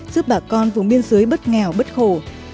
giúp bà con vùng biên giới bất nghèo bất khổ